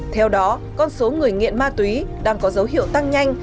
theo đó con số người nghiện ma túy đang có dấu hiệu tăng nhanh